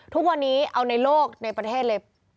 ทุกวันนี้เอาในโลกในประเทศเลย